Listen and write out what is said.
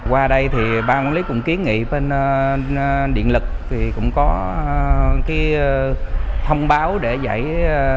qua đây thì ba công lý cũng kiến nghị bên điện lực thì cũng có cái thông báo để giải thích cái việc mà chị đã làm